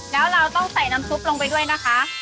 แล้วเราต้องใส่น้ำซุปลงไปด้วยนะคะ